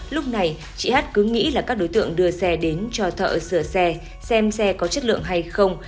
lúc này chị hát cứ nghĩ là các đối tượng đưa xe đến cho thợ sửa xe xem xe có chất lượng hay không